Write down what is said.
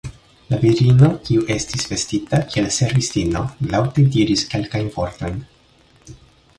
La virino, kiu estis vestita kiel servistino, laŭte diris kelkajn vortojn.